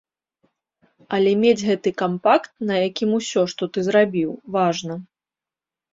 Але мець гэты кампакт, на якім усё, што ты зрабіў, важна.